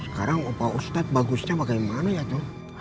sekarang opa ustad bagusnya bagaimana ya tuh